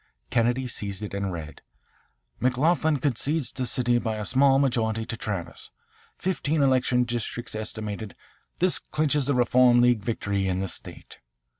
Kennedy seized it and read: "McLoughlin concedes the city by a small majority to Travis, fifteen election districts estimated. This clinches the Reform League victory in the state."